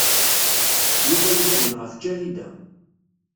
Yuba yella din ɣef Ǧahida.